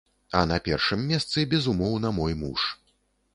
А на першым месцы безумоўна мой муж.